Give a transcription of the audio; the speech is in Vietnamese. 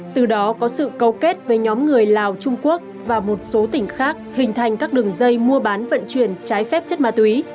từ đó có sự câu kết với nhóm người lào trung quốc và một số tỉnh khác hình thành các đường dây mua bán vận chuyển trái phép chất ma túy